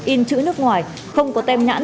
in chữ nước ngoài không có tem nhãn